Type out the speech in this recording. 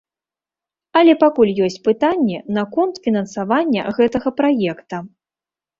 Але пакуль ёсць пытанні наконт фінансавання гэтага праекта.